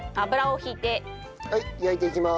はい焼いていきます。